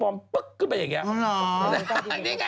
นึกว่านะเขา